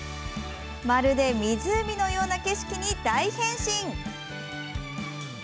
まるで湖のような景色に大変身。